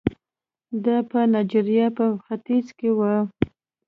دا په نایجریا په ختیځ کې وو.